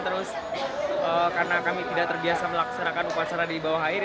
terus karena kami tidak terbiasa melaksanakan upacara di bawah air